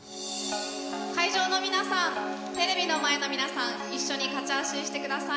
会場の皆さんテレビの前の皆さん一緒にカチャーシーしてください。